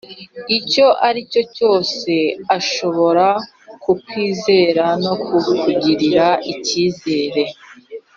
icyo ari cyo cyose ashobora kukwizera no kukugirira icyizere.